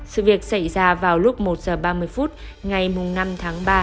sự việc xảy ra vào lúc một h ba mươi phút ngày năm tháng ba